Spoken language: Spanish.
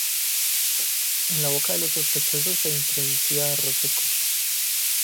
En la boca de los sospechosos se introducía arroz seco.